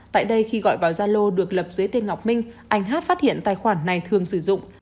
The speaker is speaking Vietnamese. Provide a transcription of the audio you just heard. tại đây khi gọi vào gia lô được lập dưới tên ngọc minh anh hát phát hiện tài khoản này thường sử dụng